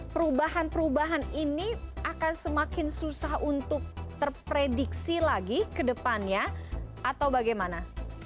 perubahan perubahan ini akan semakin susah untuk terprediksi lagi ke depannya atau bagaimana